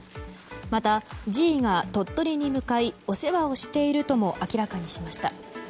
また、侍医が鳥取に向かいお世話をしているとも明らかにしました。